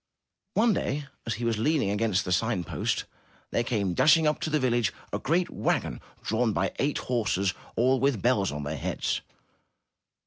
One day as he was leaning against the sign post, there came dashing up to the village inn a great wagon drawn by eight horses, all with bells on their heads.